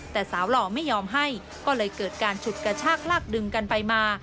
แต่สาวหล่อไม่ยอมให้ก็เลยเกิดการฉุดกระชากลากดึงกันไปมา